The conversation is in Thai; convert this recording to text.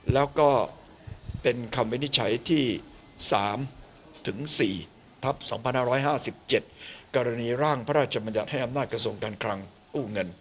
แล้วก็เป็นคำวินิจฉัยที่๓๔ทัพ๒๕๕๗